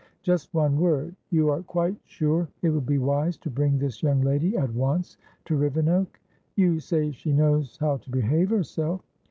"Just one word. You are quite sure it will be wise to bring this young lady at once to Rivenoak?" "You say she knows how to behave herself!"